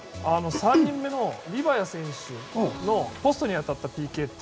３人目のリバヤ選手のポストに当たったＰＫ。